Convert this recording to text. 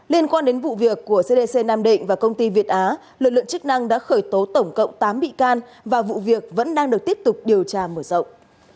liên quan đến vụ việc của cdc nam định và công ty việt á lực lượng chức năng đã khởi tố tổng cộng tám bị can và vụ việc vẫn đang được tiếp tục điều tra mở rộng